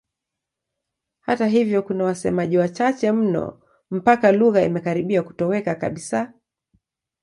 Hata hivyo kuna wasemaji wachache mno mpaka lugha imekaribia kutoweka kabisa.